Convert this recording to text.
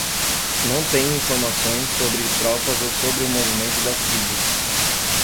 Não tenho informações sobre tropas ou sobre o movimento das tribos.